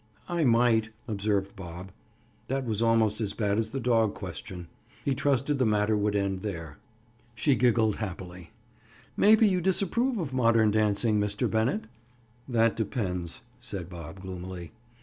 "I might," observed Bob. That was almost as bad as the dog question. He trusted the matter would end there. She giggled happily. "Maybe you disapprove of modern dancing, Mr. Bennett?" "That depends," said Bob gloomily.